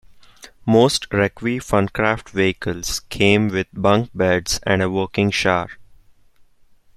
Most Rekvee Funcraft vehicles came with bunk beds and a working shower.